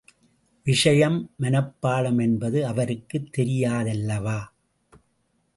விஷயம் மனப்பாடம் என்பது அவருக்குத் தெரியாதல்லாவா?